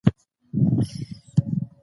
پوهانو د فقر لاملونه وپلټل.